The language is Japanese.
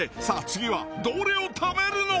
次はどれを食べるの？